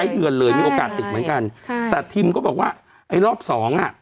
เดือนเลยมีโอกาสติดเหมือนกันใช่แต่ทิมก็บอกว่าไอ้รอบสองอ่ะ